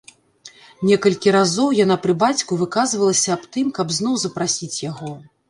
Некалькі разоў яна пры бацьку выказвалася аб тым, каб зноў запрасіць яго.